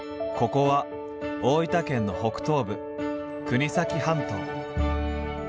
ここは大分県の北東部国東半島。